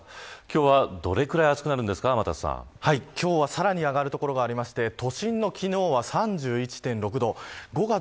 今日はどれくらい暑くなるんです今日はさらに上がる所がありまして、都心の昨日は３１．６度。